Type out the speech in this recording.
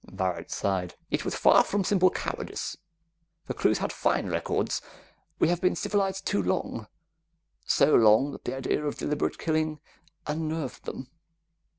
Varret sighed. "It was far from simple cowardice. The crews had fine records. We have been civilized too long, so long that the idea of deliberate killing unnerved them.